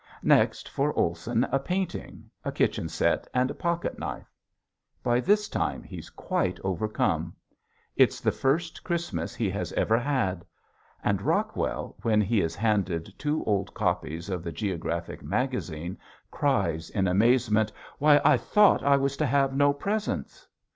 Next for Olson a painting, a kitchen set, and a pocketknife. By this time he's quite overcome. It's the first Christmas he has ever had! And Rockwell, when he is handed two old copies of the "Geographic Magazine" cries in amazement, "Why I thought I was to have no presents!"